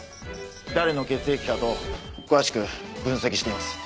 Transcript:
誰の血液か等詳しく分析しています。